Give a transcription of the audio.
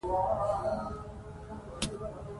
مزارشریف د افغانستان د زرغونتیا نښه ده.